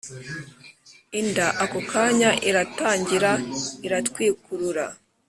Inda ako kanya iratangira iratwikurura.